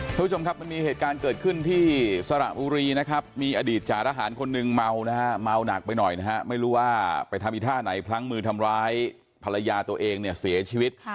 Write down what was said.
คุณผู้ชมครับมันมีเหตุการณ์เกิดขึ้นที่สระบุรีนะครับมีอดีตจารหารคนหนึ่งเมานะฮะเมาหนักไปหน่อยนะฮะไม่รู้ว่าไปทำอีกท่าไหนพลั้งมือทำร้ายภรรยาตัวเองเนี่ยเสียชีวิต